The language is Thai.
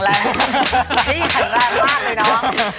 ร้องไงนี่จะดีหรอก